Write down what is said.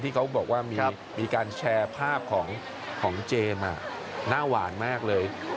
เขาบอกว่ามีการแชร์ภาพของเจมส์หน้าหวานมากเลย